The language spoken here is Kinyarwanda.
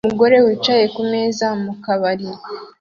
Umugore wicaye kumeza mukabari